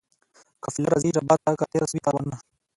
قافله راځي ربات ته که تېر سوي کاروانونه؟